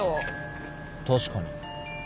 確かに。